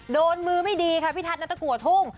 โดนมือไม่ดีค่ะพี่ทัศนัตตะกัวทุ่ง